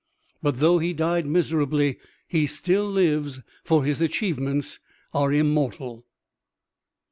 But though he died miserably he still lives, for his achievements are immortal.